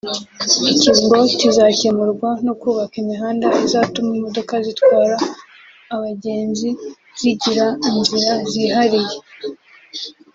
Iki ngo kizakemurwa no kubaka imihanda izatuma imodoka zitwara abagenzi zigira inzira zihariye